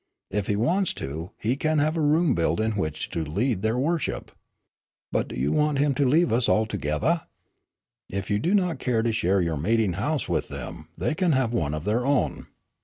If he wants to, he can have a room built in which to lead their worship." "But you do' want him to leave us altogethah?" "If you do not care to share your meeting house with them, they can have one of their own."